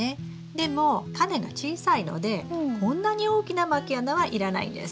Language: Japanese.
でもタネが小さいのでこんなに大きなまき穴はいらないんです。